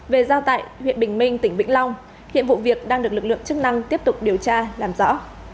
về giao tại huyện bình minh tỉnh vĩnh long hiện vụ việc đang được lực lượng chức năng tiếp tục điều tra làm rõ